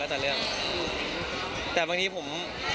แต่บางทีผม